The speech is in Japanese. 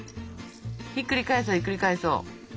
ひっくり返そうひっくり返そう。